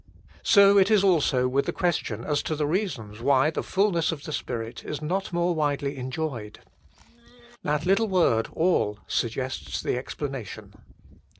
So is it also with the question as to the reasons why the fulness of the Spirit is not more widely enjoyed. That little word " All " suggests the explanation.